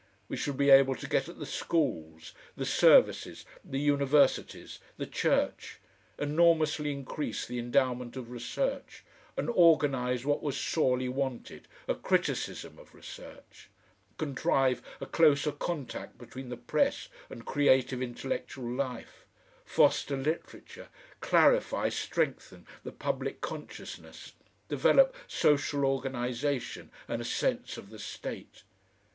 We should be able to get at the schools, the services, the universities, the church; enormously increase the endowment of research, and organise what was sorely wanted, a criticism of research; contrive a closer contact between the press and creative intellectual life; foster literature, clarify, strengthen the public consciousness, develop social organisation and a sense of the State.